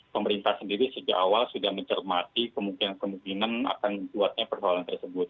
pemerintah sendiri sejak awal sudah mencermati kemungkinan kemungkinan akan buatnya persoalan tersebut